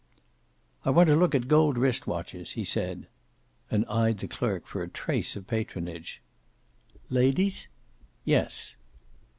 "I want to look at gold wrist watches," he said. And eyed the clerk for a trace of patronage. "Ladies?" "Yes."